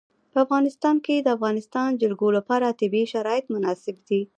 په افغانستان کې د د افغانستان جلکو لپاره طبیعي شرایط مناسب دي.